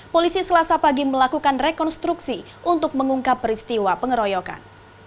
polisi selasa pagi melakukan rekonstruksi untuk mengungkap peristiwa pengeroyokan